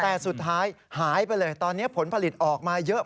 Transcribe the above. แต่สุดท้ายหายไปเลยตอนนี้ผลผลิตออกมาเยอะ